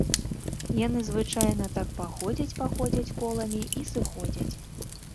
Яны звычайна так паходзяць-паходзяць коламі і сыходзяць.